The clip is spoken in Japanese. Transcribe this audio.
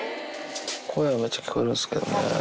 声はめっちゃ聞こえるんです